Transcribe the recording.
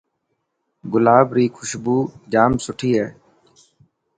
گلاب ري خوشبو ڄام سٺي هي.